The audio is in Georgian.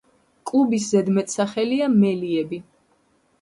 კლუბის ზედმეტსახელია მელიები.